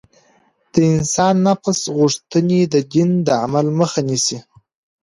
د انسان نفس غوښتنې د دين د عمل مخه نيسي.